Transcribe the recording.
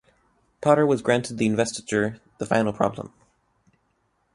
Potter was granted the investiture "The Final Problem".